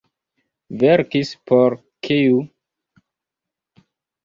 Verkis por kiu?